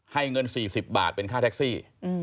เงิน๔๐บาทเป็นค่าแท็กซี่